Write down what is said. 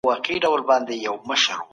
کله د ټولنيزو ځواکونو ګټي سره ټکر کوي؟